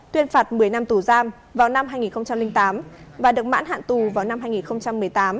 tuyên phạt một mươi năm tù giam vào năm hai nghìn tám và được mãn hạn tù vào năm hai nghìn một mươi tám